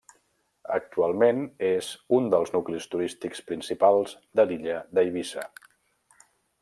Actualment és un dels nuclis turístics principals de l'illa d'Eivissa.